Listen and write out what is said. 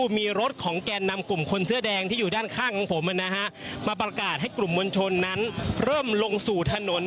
มาประกาศให้กลุ่มมวลชนนั้นเริ่มลงสู่ถนน